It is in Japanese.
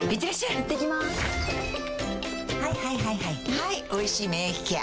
はい「おいしい免疫ケア」